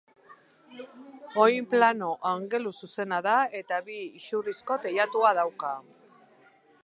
Oinplano angeluzuzena da eta bi isurkiko teilatua dauka.